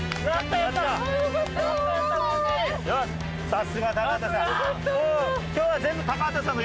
さすが高畑さん。